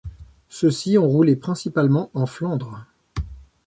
Ceux-ci ont roulé principalement en Flandre.